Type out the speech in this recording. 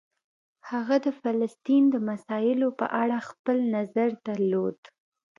هغه د فلسطین د مسایلو په اړه خپل نظر درلود.